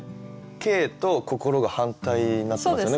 「景」と「心」が反対になってますよねこれこそ。